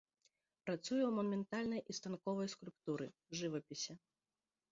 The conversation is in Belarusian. Працуе ў манументальнай і станковай скульптуры, жывапісе.